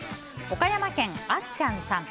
岡山県の方。